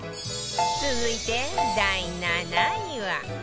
続いて第７位は